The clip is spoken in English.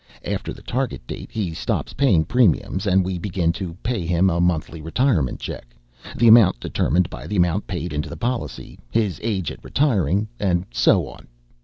After the Target Date, he stops paying premiums, and we begin to pay him a monthly retirement check, the amount determined by the amount paid into the policy, his age at retiring, and so on.